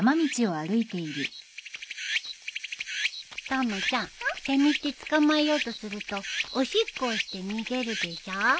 たまちゃんセミって捕まえようとするとおしっこをして逃げるでしょ？